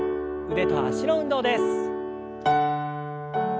腕と脚の運動です。